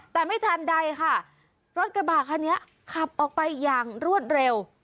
แต่ไม่ทันใดค่ะรถกระบะคันนี้ขับออกไปอย่างรวดเร็ว